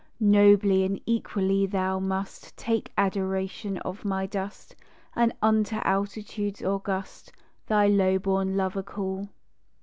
Nobly and equally thou must Take adoration of my dust, And unto altitudes august Thy low born lover call.